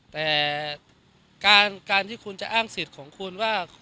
แต่การที่คุณจะอ้างสิทธิ์ของคุณว่า